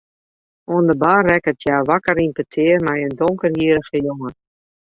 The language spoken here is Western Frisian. Oan de bar rekket hja wakker yn petear mei in donkerhierrige jonge.